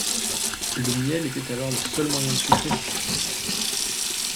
Le miel était alors le seul moyen de sucrer.